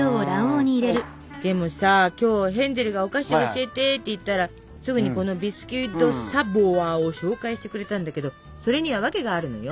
でもさ今日ヘンゼルがお菓子教えてって言ったらすぐにこのビスキュイ・ド・サヴォワを紹介してくれたんだけどそれにはワケがあるのよ。